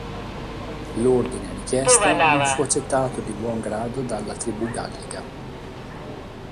L'ordine-richiesta non fu accettato di buon grado dalla tribù gallica.